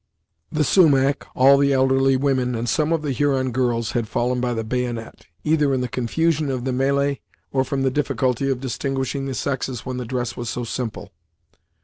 The Sumach, all the elderly women, and some of the Huron girls, had fallen by the bayonet, either in the confusion of the melee, or from the difficulty of distinguishing the sexes when the dress was so simple.